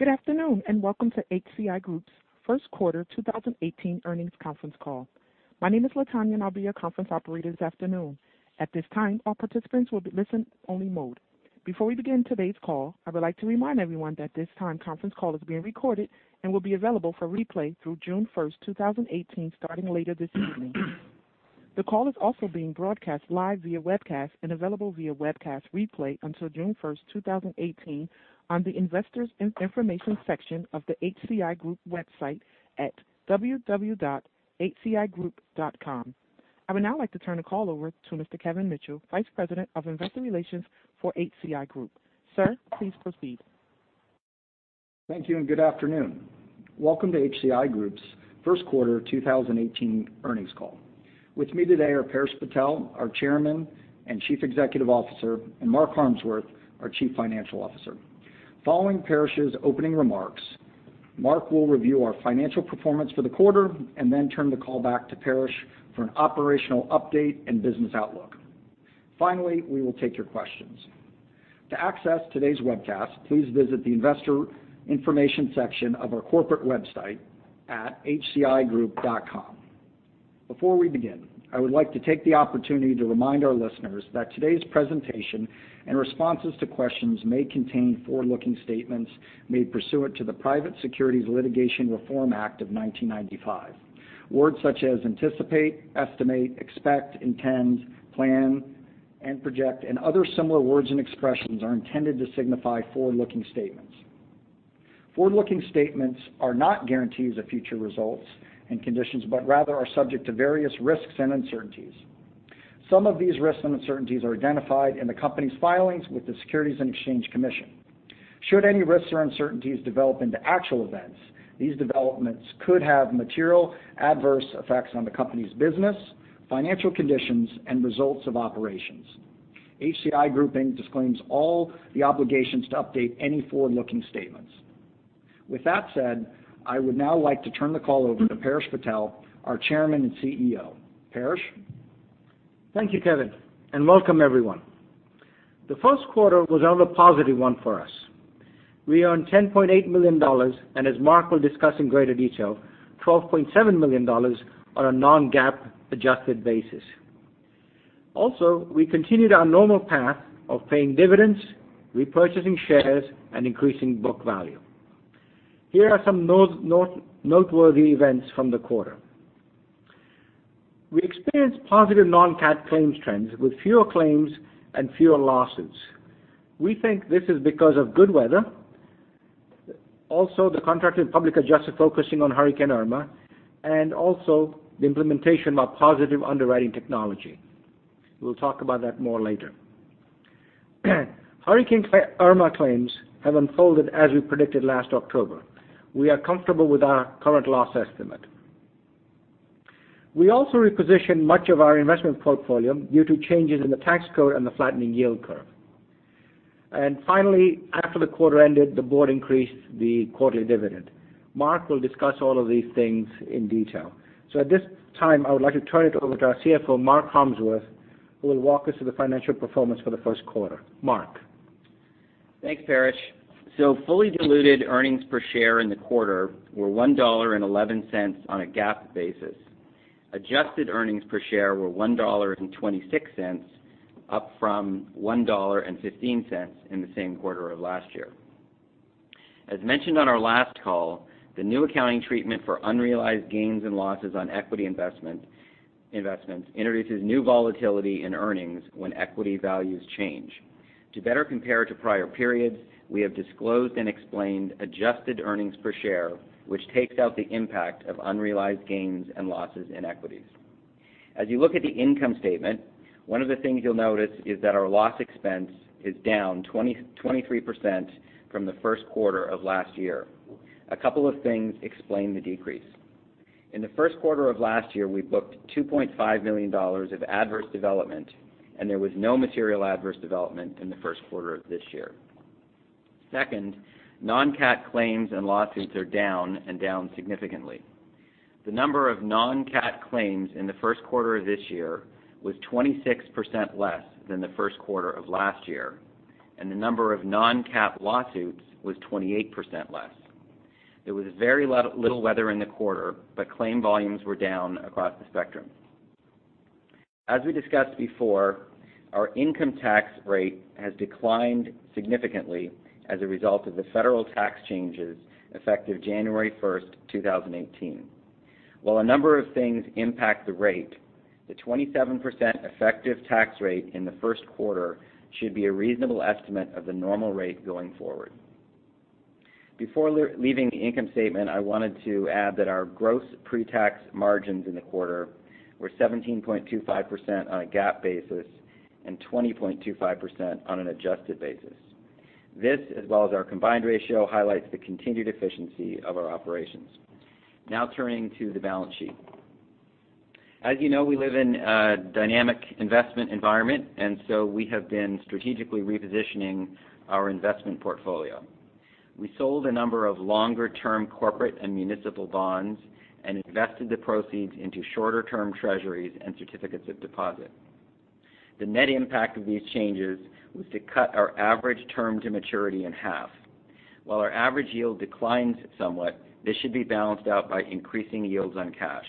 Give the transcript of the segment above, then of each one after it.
Good afternoon, and welcome to HCI Group's first quarter 2018 earnings conference call. My name is Latonya, and I'll be your conference operator this afternoon. At this time, all participants will be in listen-only mode. Before we begin today's call, I would like to remind everyone that this conference call is being recorded and will be available for replay through June 1st, 2018, starting later this evening. The call is also being broadcast live via webcast and available via webcast replay until June 1st, 2018, on the Investors Information section of the HCI Group website at hcigroup.com. I would now like to turn the call over to Mr. Kevin Mitchell, Vice President of Investor Relations for HCI Group. Sir, please proceed. Thank you, and good afternoon. Welcome to HCI Group's first quarter 2018 earnings call. With me today are Paresh Patel, our Chairman and Chief Executive Officer, and Mark Harmsworth, our Chief Financial Officer. Following Paresh's opening remarks, Mark will review our financial performance for the quarter and then turn the call back to Paresh for an operational update and business outlook. Finally, we will take your questions. To access today's webcast, please visit the investor information section of our corporate website at hcigroup.com. Before we begin, I would like to take the opportunity to remind our listeners that today's presentation and responses to questions may contain forward-looking statements made pursuant to the Private Securities Litigation Reform Act of 1995. Words such as anticipate, estimate, expect, intend, plan, and project, and other similar words and expressions are intended to signify forward-looking statements. Forward-looking statements are not guarantees of future results and conditions, but rather are subject to various risks and uncertainties. Some of these risks and uncertainties are identified in the company's filings with the Securities and Exchange Commission. Should any risks or uncertainties develop into actual events, these developments could have material adverse effects on the company's business, financial conditions, and results of operations. HCI Group disclaims all the obligations to update any forward-looking statements. With that said, I would now like to turn the call over to Paresh Patel, our Chairman and CEO. Paresh? Thank you, Kevin, and welcome everyone. The first quarter was another positive one for us. We earned $10.8 million, and as Mark will discuss in greater detail, $12.7 million on a non-GAAP adjusted basis. Also, we continued our normal path of paying dividends, repurchasing shares, and increasing book value. Here are some noteworthy events from the quarter. We experienced positive non-CAT claims trends with fewer claims and fewer losses. We think this is because of good weather, also the contracted public adjuster focusing on Hurricane Irma, and also the implementation of positive underwriting technology. We'll talk about that more later. Hurricane Irma claims have unfolded as we predicted last October. We are comfortable with our current loss estimate. We also repositioned much of our investment portfolio due to changes in the tax code and the flattening yield curve. Finally, after the quarter ended, the board increased the quarterly dividend. Mark will discuss all of these things in detail. At this time, I would like to turn it over to our CFO, Mark Harmsworth, who will walk us through the financial performance for the first quarter. Mark? Thanks, Paresh. Fully diluted earnings per share in the quarter were $1.11 on a GAAP basis. Adjusted earnings per share were $1.26, up from $1.15 in the same quarter of last year. As mentioned on our last call, the new accounting treatment for unrealized gains and losses on equity investments introduces new volatility in earnings when equity values change. To better compare to prior periods, we have disclosed and explained adjusted earnings per share, which takes out the impact of unrealized gains and losses in equities. As you look at the income statement, one of the things you'll notice is that our loss expense is down 23% from the first quarter of last year. A couple of things explain the decrease. In the first quarter of last year, we booked $2.5 million of adverse development, and there was no material adverse development in the first quarter of this year. Second, non-CAT claims and lawsuits are down and down significantly. The number of non-CAT claims in the first quarter of this year was 26% less than the first quarter of last year, and the number of non-CAT lawsuits was 28% less. There was very little weather in the quarter, but claim volumes were down across the spectrum. As we discussed before, our income tax rate has declined significantly as a result of the federal tax changes effective January 1st, 2018. While a number of things impact the rate, the 27% effective tax rate in the first quarter should be a reasonable estimate of the normal rate going forward. Before leaving the income statement, I wanted to add that our gross pre-tax margins in the quarter were 17.25% on a GAAP basis and 20.25% on an adjusted basis. This, as well as our combined ratio, highlights the continued efficiency of our operations. Now turning to the balance sheet. As you know, we live in a dynamic investment environment, and so we have been strategically repositioning our investment portfolio. We sold a number of longer-term corporate and municipal bonds and invested the proceeds into shorter-term treasuries and certificates of deposit. The net impact of these changes was to cut our average term to maturity in half. While our average yield declines somewhat, this should be balanced out by increasing yields on cash.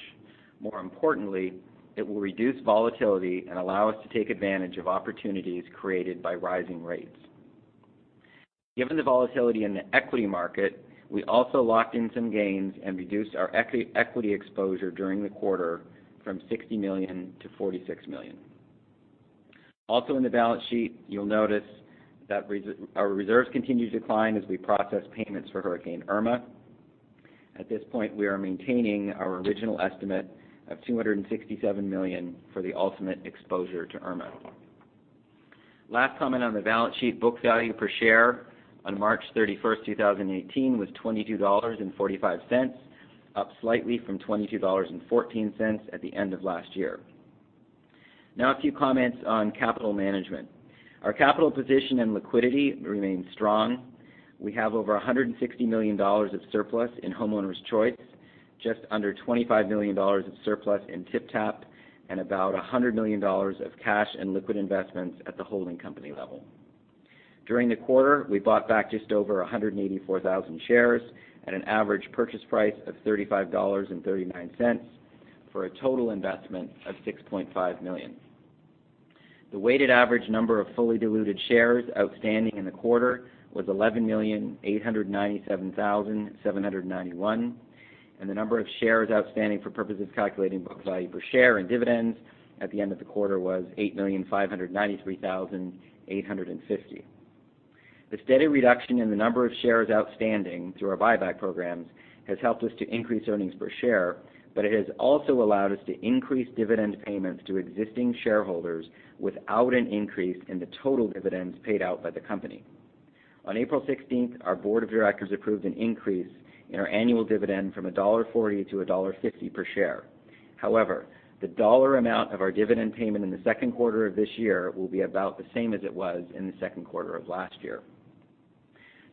More importantly, it will reduce volatility and allow us to take advantage of opportunities created by rising rates. Given the volatility in the equity market, we also locked in some gains and reduced our equity exposure during the quarter from $60 million-$46 million. Also in the balance sheet, you'll notice that our reserves continue to decline as we process payments for Hurricane Irma. At this point, we are maintaining our original estimate of $267 million for the ultimate exposure to Irma. Last comment on the balance sheet. Book value per share on March 31st, 2018, was $22.45, up slightly from $22.14 at the end of last year. Now a few comments on capital management. Our capital position and liquidity remain strong. We have over $160 million of surplus in Homeowners Choice, just under $25 million of surplus in TypTap, and about $100 million of cash and liquid investments at the holding company level. During the quarter, we bought back just over 184,000 shares at an average purchase price of $35.39, for a total investment of $6.5 million. The weighted average number of fully diluted shares outstanding in the quarter was 11,897,791, and the number of shares outstanding for purposes of calculating book value per share and dividends at the end of the quarter was 8,593,850. The steady reduction in the number of shares outstanding through our buyback programs has helped us to increase earnings per share, but it has also allowed us to increase dividend payments to existing shareholders without an increase in the total dividends paid out by the company. On April 16th, our board of directors approved an increase in our annual dividend from $1.40 to $1.50 per share. The dollar amount of our dividend payment in the second quarter of this year will be about the same as it was in the second quarter of last year.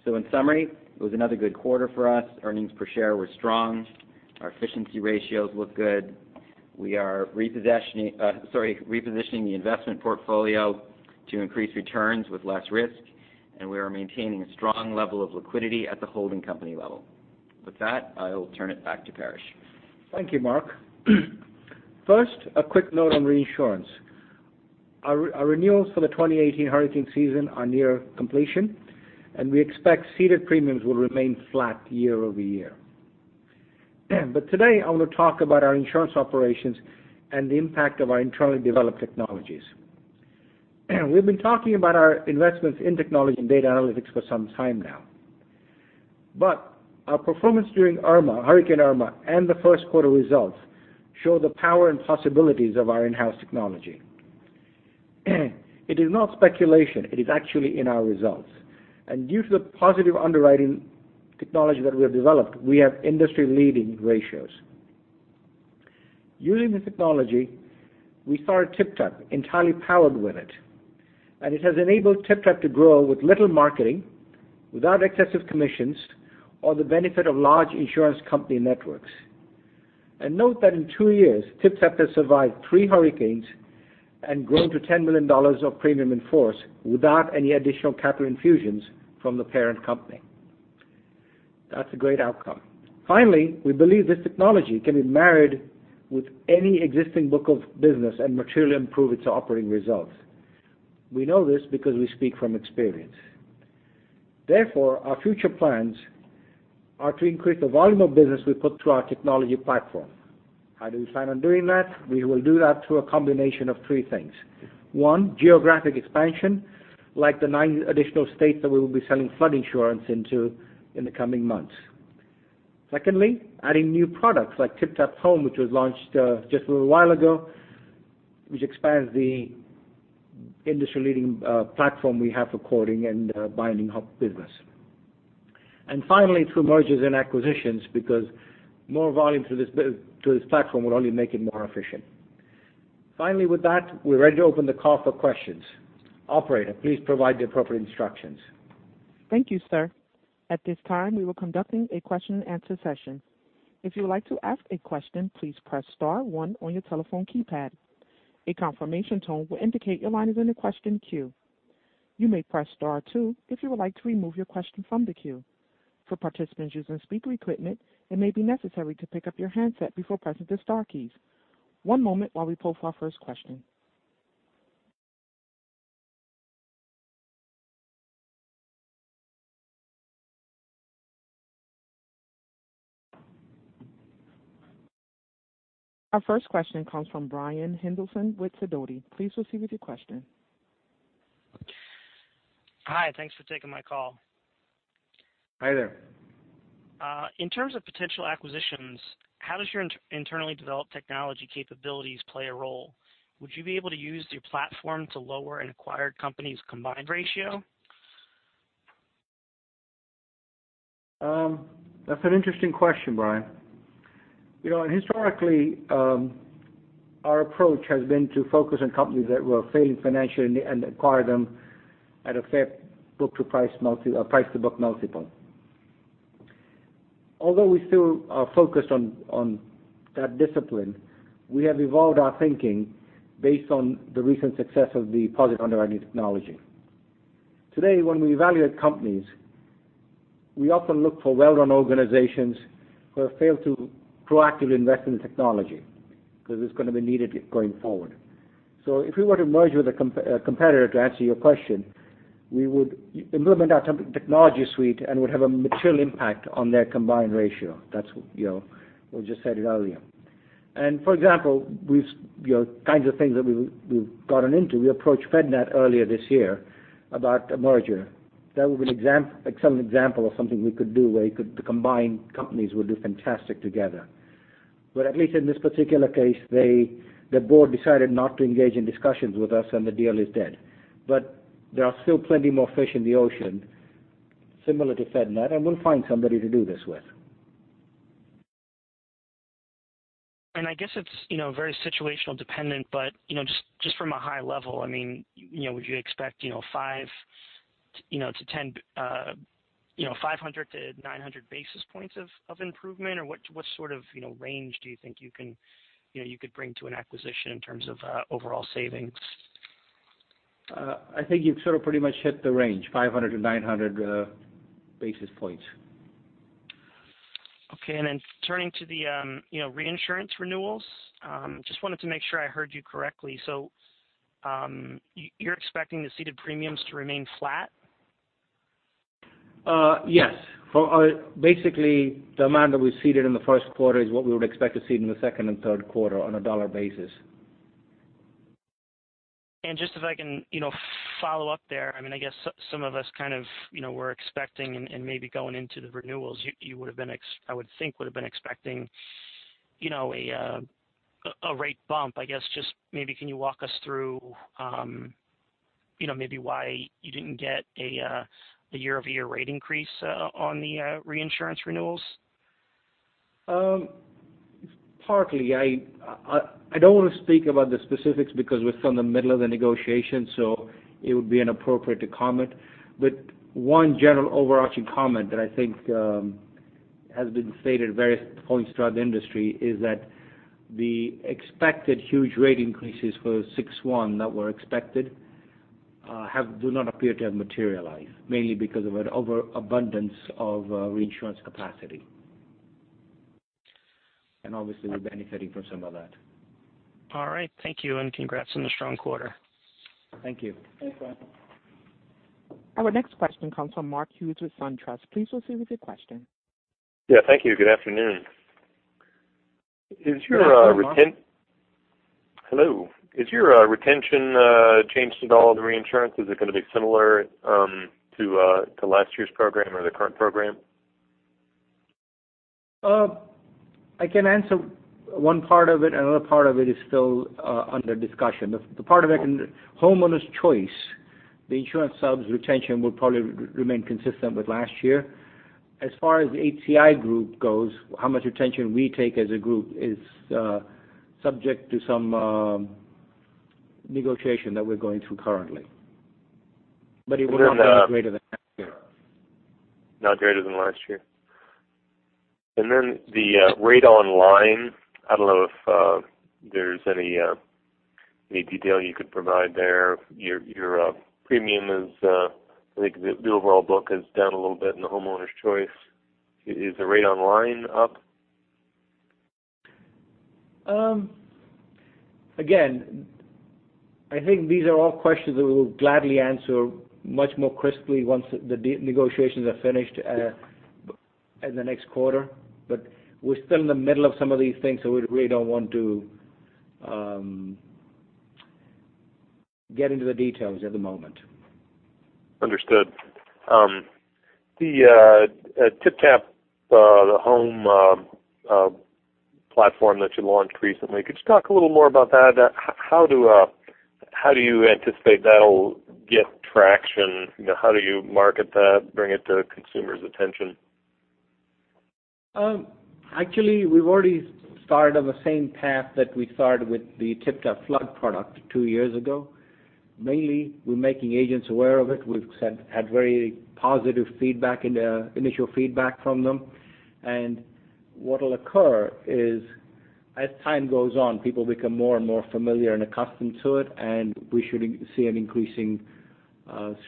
In summary, it was another good quarter for us. Earnings per share were strong. Our efficiency ratios look good. We are repositioning the investment portfolio to increase returns with less risk, and we are maintaining a strong level of liquidity at the holding company level. With that, I will turn it back to Paresh. Thank you, Mark. First, a quick note on reinsurance. Our renewals for the 2018 hurricane season are near completion, and we expect ceded premiums will remain flat year-over-year. Today I want to talk about our insurance operations and the impact of our internally developed technologies. We've been talking about our investments in technology and data analytics for some time now. Our performance during Hurricane Irma and the first quarter results show the power and possibilities of our in-house technology. It is not speculation. It is actually in our results. Due to the positive underwriting technology that we have developed, we have industry leading ratios. Using the technology, we started TypTap entirely powered with it, and it has enabled TypTap to grow with little marketing, without excessive commissions or the benefit of large insurance company networks. Note that in two years, TypTap has survived three hurricanes and grown to $10 million of premium in force without any additional capital infusions from the parent company. That's a great outcome. Finally, we believe this technology can be married with any existing book of business and materially improve its operating results. We know this because we speak from experience. Therefore, our future plans are to increase the volume of business we put through our technology platform. How do we plan on doing that? We will do that through a combination of three things. One, geographic expansion, like the nine additional states that we will be selling flood insurance into in the coming months. Secondly, adding new products like TypTap Home, which was launched just a little while ago, which expands the industry leading platform we have for quoting and binding home business. Finally, through mergers and acquisitions, because more volume through this platform will only make it more efficient. Finally, with that, we're ready to open the call for questions. Operator, please provide the appropriate instructions. Thank you, sir. At this time, we will be conducting a question and answer session. If you would like to ask a question, please press star one on your telephone keypad. A confirmation tone will indicate your line is in the question queue. You may press star two if you would like to remove your question from the queue. For participants using speaker equipment, it may be necessary to pick up your handset before pressing the star keys. One moment while we poll for our first question. Our first question comes from Brian Hollenden with Sidoti. Please proceed with your question. Hi. Thanks for taking my call. Hi there. In terms of potential acquisitions, how does your internally developed technology capabilities play a role? Would you be able to use your platform to lower an acquired company's combined ratio? That's an interesting question, Brian. Historically, our approach has been to focus on companies that were failing financially and acquire them at a fair price to book multiple. Although we still are focused on that discipline, we have evolved our thinking based on the recent success of the positive underwriting technology. Today, when we evaluate companies, we often look for well-run organizations who have failed to proactively invest in technology, because it's going to be needed going forward. If we were to merge with a competitor, to answer your question, we would implement our technology suite and would have a material impact on their combined ratio. We just said it earlier. For example, kinds of things that we've gotten into, we approached FedNat earlier this year about a merger. That would be an excellent example of something we could do where the combined companies would do fantastic together. At least in this particular case, the board decided not to engage in discussions with us, and the deal is dead. There are still plenty more fish in the ocean similar to FedNat, and we'll find somebody to do this with. I guess it's very situational dependent, but just from a high level, would you expect 500 basis points-900 basis points of improvement? What sort of range do you think you could bring to an acquisition in terms of overall savings? I think you've sort of pretty much hit the range, 500 basis points-900 basis points. Turning to the reinsurance renewals, just wanted to make sure I heard you correctly. You're expecting the ceded premiums to remain flat? Yes. Basically, the amount that we ceded in the first quarter is what we would expect to cede in the second and third quarter on a dollar basis. Just if I can follow up there, I guess some of us were expecting and maybe going into the renewals, I would think would have been expecting a rate bump. I guess, just maybe can you walk us through maybe why you didn't get a year-over-year rate increase on the reinsurance renewals? Partly. I don't want to speak about the specifics because we're still in the middle of the negotiation, so it would be inappropriate to comment. One general overarching comment that I think has been stated various points throughout the industry is that the expected huge rate increases for 6/1 that were expected, do not appear to have materialized, mainly because of an overabundance of reinsurance capacity. Obviously, we're benefiting from some of that. All right. Thank you, and congrats on a strong quarter. Thank you. Thanks, Brian. Our next question comes from Mark Hughes with SunTrust. Please proceed with your question. Yeah. Thank you. Good afternoon. Good afternoon, Mark. Hello. Is your retention changed at all in the reinsurance? Is it going to be similar to last year's program or the current program? I can answer one part of it. Another part of it is still under discussion. The part of it in Homeowners Choice, the insurance subs retention will probably remain consistent with last year. As far as the HCI Group goes, how much retention we take as a group is subject to some negotiation that we're going through currently. It will not be much greater than last year. Not greater than last year. The rate online, I don't know if there's any detail you could provide there. Your premium is, I think the overall book is down a little bit in the Homeowners Choice. Is the rate online up? Again, I think these are all questions that we will gladly answer much more crisply once the negotiations are finished in the next quarter. We're still in the middle of some of these things, we really don't want to get into the details at the moment. Understood. The TypTap Home platform that you launched recently, could you talk a little more about that? How do you anticipate that'll get traction? How do you market that, bring it to consumers' attention? Actually, we've already started on the same path that we started with the TypTap Flood product two years ago. Mainly, we're making agents aware of it. We've had very positive feedback in the initial feedback from them. What'll occur is as time goes on, people become more and more familiar and accustomed to it, and we should see an increasing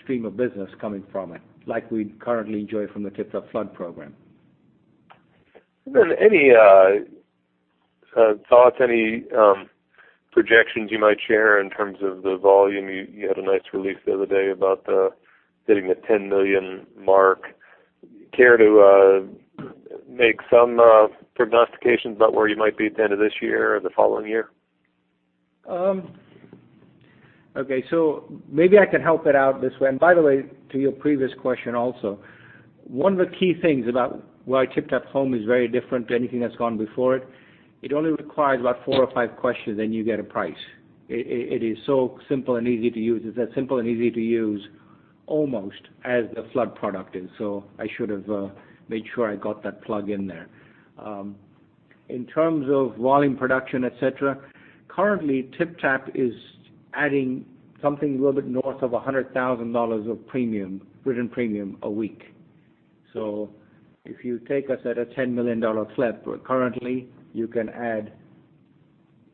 stream of business coming from it, like we currently enjoy from the TypTap Flood program. Then any thoughts, any projections you might share in terms of the volume? You had a nice release the other day about hitting the $10 million mark. Care to make some prognostications about where you might be at the end of this year or the following year? Okay. Maybe I can help it out this way. By the way, to your previous question also, one of the key things about why TypTap Home is very different to anything that's gone before it only requires about four or five questions then you get a price. It is so simple and easy to use. It's as simple and easy to use almost as the flood product is. I should have made sure I got that plug in there. In terms of volume production, et cetera, currently TypTap is adding something a little bit north of $100,000 of written premium a week. If you take us at a $10 million slip, currently, you can add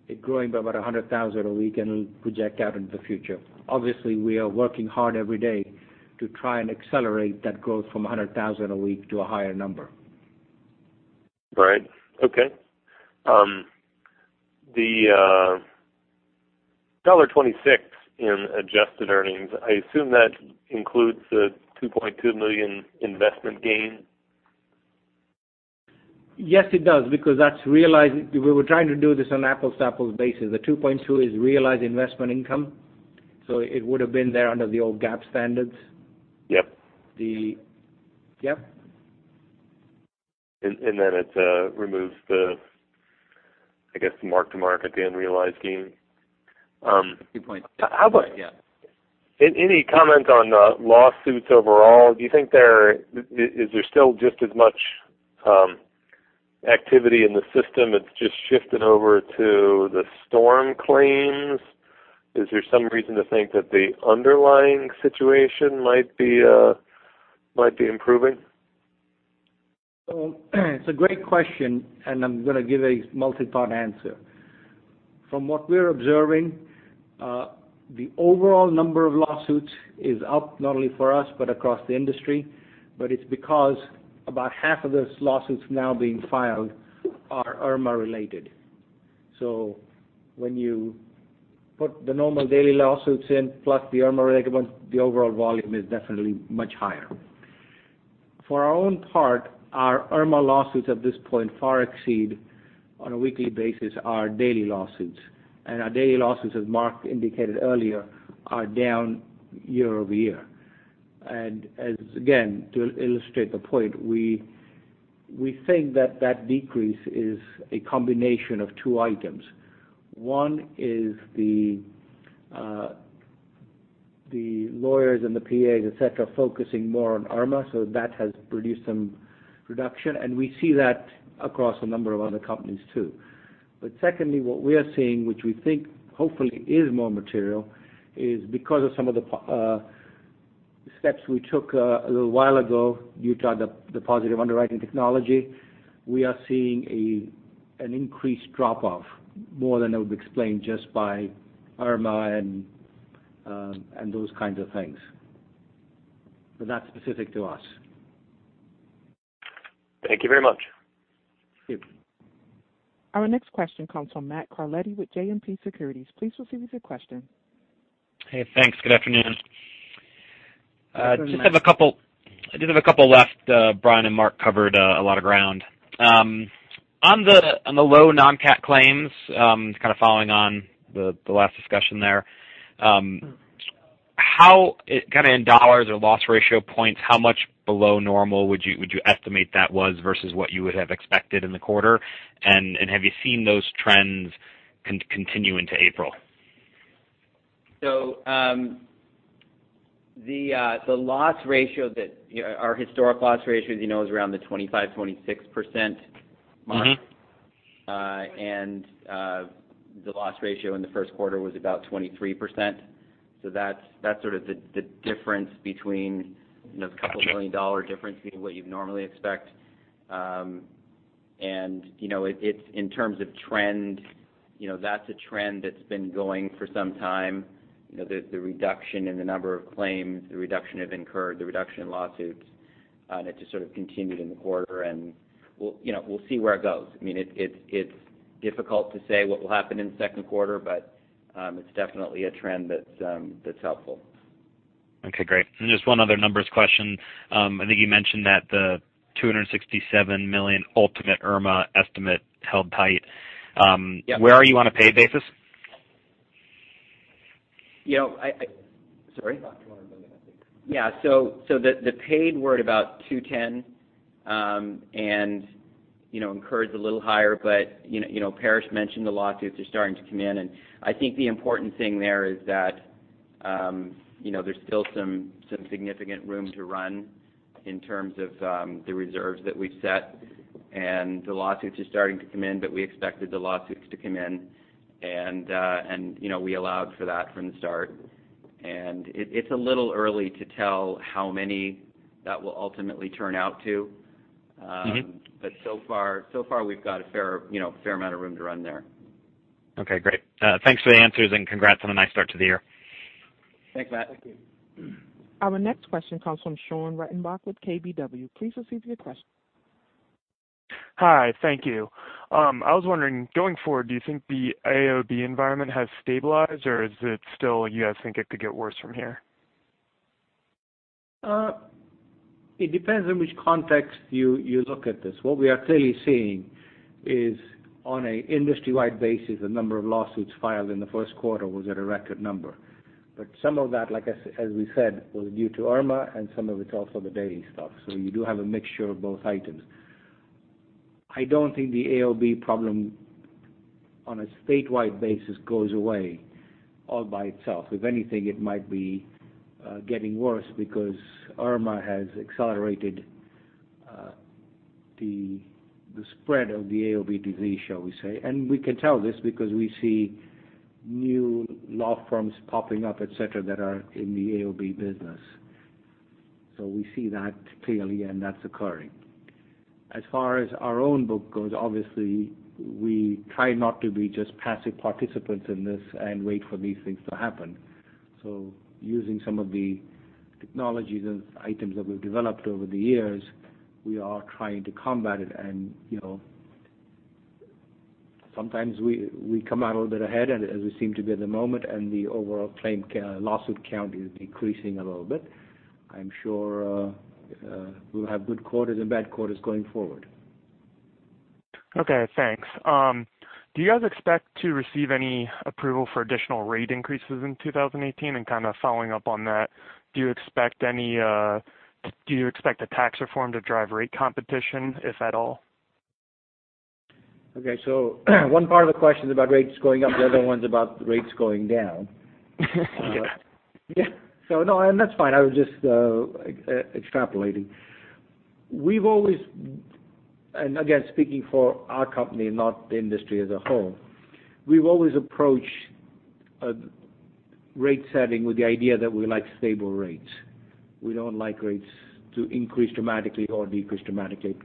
it growing by about 100,000 a week and it'll project out into the future. Obviously, we are working hard every day to try and accelerate that growth from 100,000 a week to a higher number. Right. Okay. The $1.26 in adjusted earnings, I assume that includes the $2.2 million investment gain? Yes, it does. We were trying to do this on an apples-to-apples basis. The $2.2 is realized investment income. It would have been there under the old GAAP standards. Yep. Yep. It removes the, I guess, mark-to-market, the unrealized gain. Good point. Yeah. Any comment on the lawsuits overall? Is there still just as much activity in the system, it's just shifted over to the storm claims? Is there some reason to think that the underlying situation might be improving? It's a great question, I'm going to give a multi-part answer. From what we're observing, the overall number of lawsuits is up, not only for us, but across the industry. It's because about half of those lawsuits now being filed are Hurricane Irma related. When you put the normal daily lawsuits in, plus the Hurricane Irma related ones, the overall volume is definitely much higher. For our own part, our Hurricane Irma lawsuits at this point far exceed, on a weekly basis, our daily lawsuits. Our daily lawsuits, as Mark indicated earlier, are down year-over-year. As, again, to illustrate the point, we think that decrease is a combination of two items. One is the lawyers and the PAs, et cetera, focusing more on Hurricane Irma, so that has produced some reduction. We see that across a number of other companies too. Secondly, what we are seeing, which we think hopefully is more material, is because of some of the steps we took a little while ago due to the positive underwriting technology, we are seeing an increased drop-off, more than it would explain just by Hurricane Irma and those kinds of things. That's specific to us. Thank you very much. Thank you. Our next question comes from Matthew Carletti with JMP Securities. Please proceed with your question. Hey, thanks. Good afternoon. Good afternoon. I just have a couple left. Brian and Mark covered a lot of ground. On the low non-CAT claims, kind of following on the last discussion there. Kind of in dollars or loss ratio points, how much below normal would you estimate that was versus what you would have expected in the quarter? Have you seen those trends continue into April? The loss ratio that our historic loss ratio is around the 25%, 26% mark. The loss ratio in the first quarter was about 23%. That's the difference between. Got you. Those couple million dollar difference between what you'd normally expect. In terms of trend, that's a trend that's been going for some time. The reduction in the number of claims, the reduction of incurred, the reduction in lawsuits, and it just sort of continued in the quarter and we'll see where it goes. It's difficult to say what will happen in the second quarter, but it's definitely a trend that's helpful. Okay, great. Just one other numbers question. I think you mentioned that the $267 million ultimate Irma estimate held tight. Yeah. Where are you on a paid basis? Sorry? About $200 million, I think. Yeah. The paid were at about $210, incurred is a little higher. Paresh mentioned the lawsuits are starting to come in, I think the important thing there is that there's still some significant room to run in terms of the reserves that we've set. The lawsuits are starting to come in, we expected the lawsuits to come in, we allowed for that from the start. It's a little early to tell how many that will ultimately turn out to. So far we've got a fair amount of room to run there. Okay, great. Thanks for the answers, congrats on a nice start to the year. Thanks, Matt. Thank you. Our next question comes from Sean Reitenbach with KBW. Please proceed with your question. Hi. Thank you. I was wondering, going forward, do you think the AOB environment has stabilized, or is it still you guys think it could get worse from here? It depends on which context you look at this. What we are clearly seeing is on an industry-wide basis, the number of lawsuits filed in the first quarter was at a record number. Some of that, as we said, was due to Irma, and some of it's also the daily stuff. You do have a mixture of both items. I don't think the AOB problem on a statewide basis goes away all by itself. If anything, it might be getting worse because Irma has accelerated the spread of the AOB disease, shall we say. We can tell this because we see new law firms popping up, et cetera, that are in the AOB business. We see that clearly, and that's occurring. As far as our own book goes, obviously, we try not to be just passive participants in this and wait for these things to happen. Using some of the technologies and items that we've developed over the years, we are trying to combat it and sometimes we come out a little bit ahead as we seem to be at the moment, and the overall claim lawsuit count is decreasing a little bit. I'm sure we'll have good quarters and bad quarters going forward. Okay, thanks. Do you guys expect to receive any approval for additional rate increases in 2018? Following up on that, do you expect the tax reform to drive rate competition, if at all? Okay. One part of the question is about rates going up, the other one's about rates going down. No, and that's fine. I was just extrapolating. We've always, and again, speaking for our company, not the industry as a whole, we've always approached rate setting with the idea that we like stable rates. We don't like rates to increase dramatically or decrease dramatically.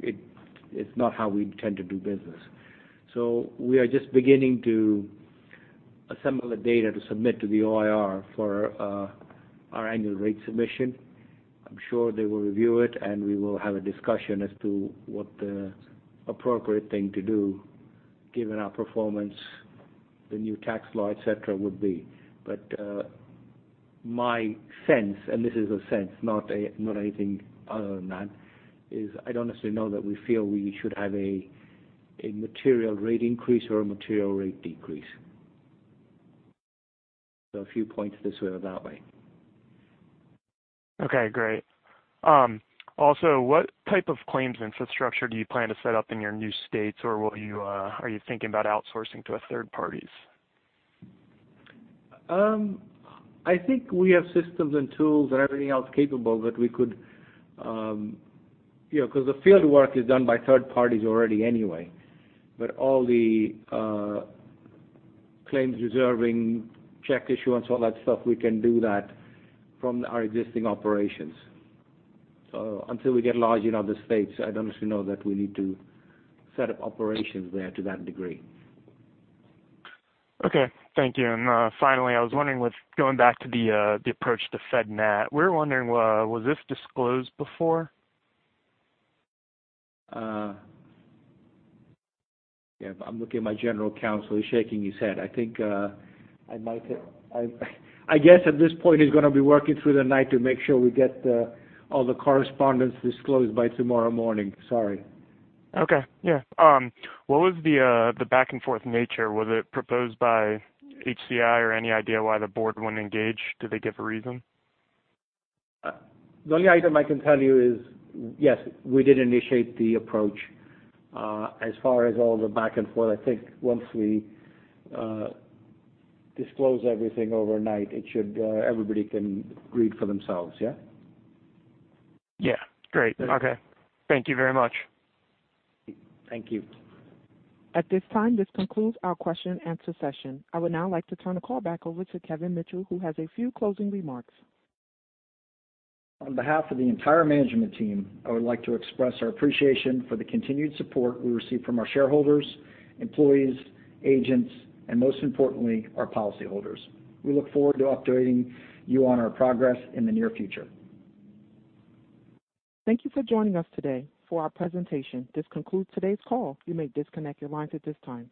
It's not how we tend to do business. We are just beginning to assemble the data to submit to the OIR for our annual rate submission. I'm sure they will review it, and we will have a discussion as to what the appropriate thing to do, given our performance, the new tax law, et cetera, would be. My sense, and this is a sense, not anything other than that, is I don't necessarily know that we feel we should have a material rate increase or a material rate decrease. A few points this way or that way. Okay, great. Also, what type of claims infrastructure do you plan to set up in your new states? Or are you thinking about outsourcing to third parties? I think we have systems and tools and everything else capable. Because the field work is done by third parties already anyway, but all the claims reserving, check issuance, all that stuff, we can do that from our existing operations. Until we get large in other states, I don't necessarily know that we need to set up operations there to that degree. Okay, thank you. Finally, I was wondering, going back to the approach to FedNat, we were wondering, was this disclosed before? Yeah. I'm looking at my general counsel. He's shaking his head. I guess at this point, he's going to be working through the night to make sure we get all the correspondence disclosed by tomorrow morning. Sorry. Okay. Yeah. What was the back-and-forth nature? Was it proposed by HCI or any idea why the board wouldn't engage? Did they give a reason? The only item I can tell you is, yes, we did initiate the approach. As far as all the back and forth, I think once we disclose everything overnight, everybody can read for themselves, yeah? Yeah. Great. Okay. Thank you very much. Thank you. At this time, this concludes our question and answer session. I would now like to turn the call back over to Kevin Mitchell, who has a few closing remarks. On behalf of the entire management team, I would like to express our appreciation for the continued support we receive from our shareholders, employees, agents, and most importantly, our policyholders. We look forward to updating you on our progress in the near future. Thank you for joining us today for our presentation. This concludes today's call. You may disconnect your lines at this time.